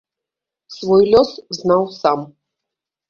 Свой лёс знаў сам.